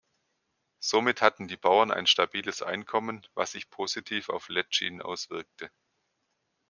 Somit hatten die Bauern ein stabiles Einkommen, was sich positiv auf Letschin auswirkte.